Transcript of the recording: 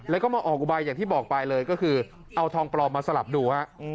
แล้วก็มาออกอุบายอย่างที่บอกไปเลยก็คือเอาทองปลอมมาสลับดูฮะ